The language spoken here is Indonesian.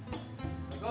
tunggu beng boleh